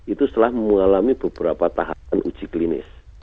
itu setelah mengalami beberapa tahapan uji klinis